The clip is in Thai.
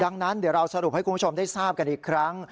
ดังนั้นเดี๋ยวเราสรุปให้คุณผู้ชมได้ทราบกันอีกครั้ง